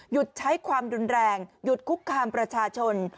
ใช้ความรุนแรงหยุดคุกคามประชาชน